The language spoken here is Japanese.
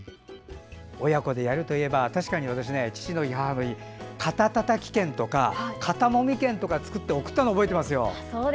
親子でやるといえば、確かに私父の日、母の日肩たたき券とか肩もみ券とか作って送ったの覚えてますよ。